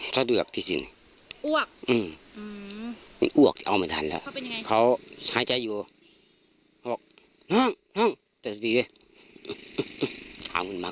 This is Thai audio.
ถ้าดูแบบที่สิอ้วกอืมอืมอ้วกเอาไม่ทันแล้วเขาเป็นยังไง